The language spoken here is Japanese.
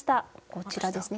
こちらですね。